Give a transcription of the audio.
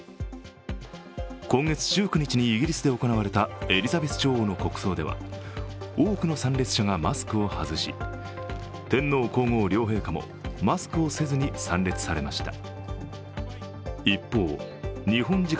今月１９日にイギリスで行われたエリザベス女王の国葬については多くの参列者がマスクを外し、天皇皇后両陛下もマスクをせずに参列されました。